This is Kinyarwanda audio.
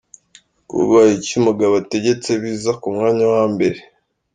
Kubaha icyo umugabo ategetse biza ku mwanya wa mbere.